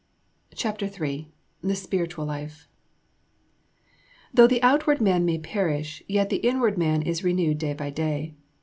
CHAPTER III THE SPIRITUAL LIFE Though the outward man may perish, yet the inward man is renewed day by day.